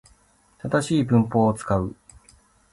正しい文法を使う